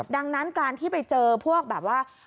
ดังนั้นการที่ไปเจอพวกแบบว่า